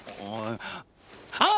ああ。